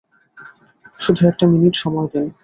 শুধু একটা মিনিট সময় দিন।